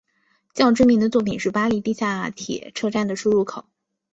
较知名的作品是巴黎地下铁车站的出入口。